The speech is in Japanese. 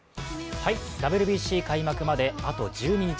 ＷＢＣ開幕まであと１２日。